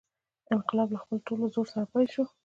انقلاب له خپل ټول زور سره پیل شو.